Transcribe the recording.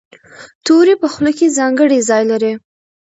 توری په خوله کې ځانګړی ځای لري.